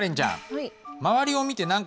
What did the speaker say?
はい。